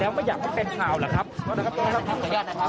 เห็นบอกว่าหลังจากเกิดเหตุแล้วไม่อยากให้เป็นข่าวหรือครับ